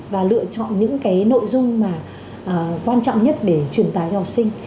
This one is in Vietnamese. và lựa chọn những cái nội dung mà quan trọng nhất để truyền tài cho học sinh